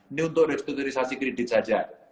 ini untuk restrukturisasi kredit saja